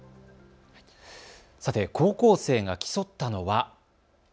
高校生が競ったのは。